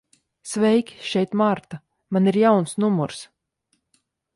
Sveiki, šeit Marta. Man ir jauns numurs.